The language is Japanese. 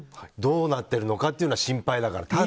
どうなってるのかっていうのは心配だから。